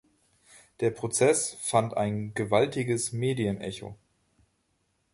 Der Prozess fand ein gewaltiges Medienecho.